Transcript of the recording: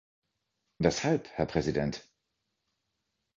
Weshalb, Herr Präsident?